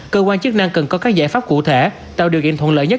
cơ quan chức năng cần có các giải pháp cụ thể tạo điều kiện thuận lợi nhất